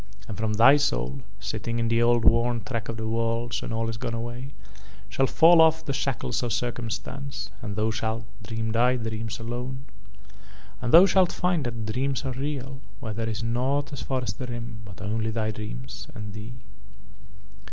But from thy soul, sitting in the old worn track of the worlds when all is gone away, shall fall off the shackles of circumstance and thou shalt dream thy dreams alone. "And thou shalt find that dreams are real where there is nought as far as the Rim but only thy dreams and thee.